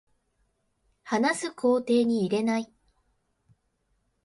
話す工程に入れない